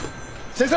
・先生！